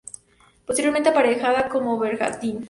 Posteriormente aparejada como bergantín.